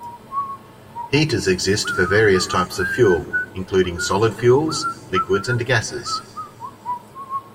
Heaters exist for various types of fuel, including solid fuels, liquids, and gases.